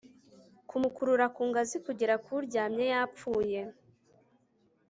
kumukurura ku ngazi kugera kuryamye yapfuye